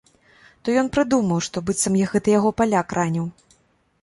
То ён прыдумаў, што быццам гэта яго паляк раніў.